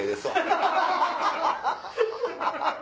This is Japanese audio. ハハハハハ！